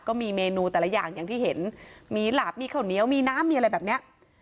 ก็มีเมนูแต่ละอย่างอย่างที่เห็นมีหลาบมีข้าวเหนียวมีน้ำมีอะไรแบบเนี้ย